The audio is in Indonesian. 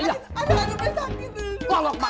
aduh aduh aduh aduh aduh aduh